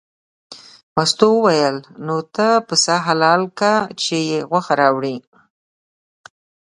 مستو وویل نو ته پسه حلال که چې یې غوښه راوړې.